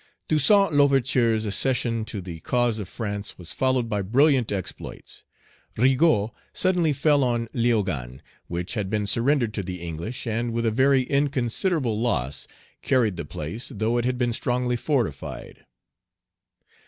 TOUSSAINT L'OUVERTURE'S accession to the cause of France was followed by brilliant exploits. Rigaud suddenly fell on Léogane, which had been surrendered to the English, and, with a very inconsiderable loss, carried the place, though it had been strongly fortified.